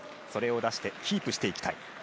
それを出してキープしていきたい。